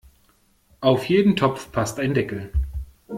Auf jeden Topf passt ein Deckel.